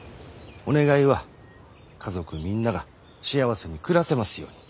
お願いは家族みんなが幸せに暮らせますように。